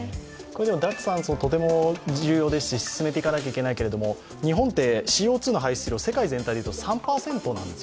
脱炭素、とても重要ですし、進めていかなければいけませんが、日本ってＣＯ２の排出量は世界全体でいうと３％なんです。